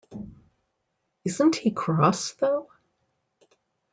Isn't he cross, though?